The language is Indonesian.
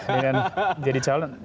dengan jadi calon